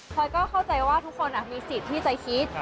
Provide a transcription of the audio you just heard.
พอยก็เข้าใจว่าทุกคนมีสิทธิ์ที่จะคิด